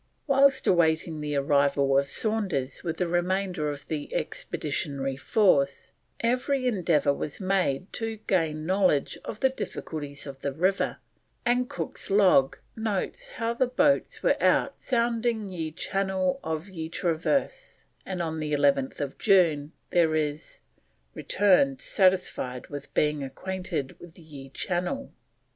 Whilst awaiting the arrival of Saunders with the remainder of the expeditionary force, every endeavour was made to gain knowledge of the difficulties of the river, and Cook's log notes how the boats were out "sounding ye channel of ye Traverse"; and on the 11th June there is: "Returned satisfied with being acquainted with ye Channel."